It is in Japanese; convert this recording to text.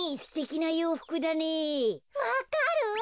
わかる？